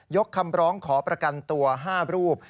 คำร้องขอประกันตัว๕รูป